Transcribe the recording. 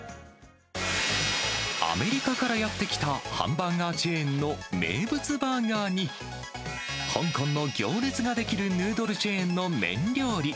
アメリカからやって来たハンバーガーチェーンの名物バーガーに、香港の行列が出来るヌードルチェーンの麺料理。